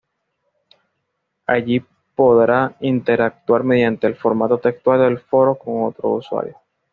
Allí podrá interactuar mediante el formato textual del foro con otros usuarios.